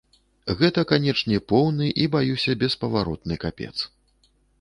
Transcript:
Гэта, канечне, поўны і, баюся, беспаваротны капец.